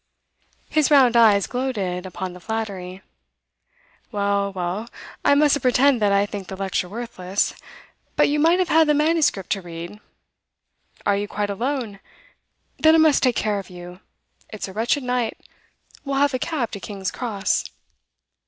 His round eyes gloated upon the flattery. 'Well, well, I mustn't pretend that I think the lecture worthless. But you might have had the manuscript to read. Are you quite alone? Then I must take care of you. It's a wretched night; we'll have a cab to King's Cross.